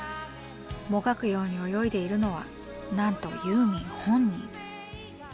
もがくように泳いでいるのはなんとユーミン本人。